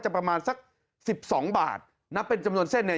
จะประมาณสัก๑๒บาทนับเป็นจำนวนเส้นเนี่ย